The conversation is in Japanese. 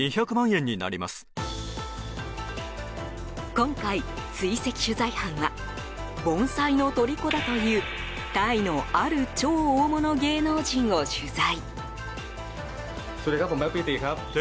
今回、追跡取材班は盆栽のとりこだというタイのある超大物芸能人を取材。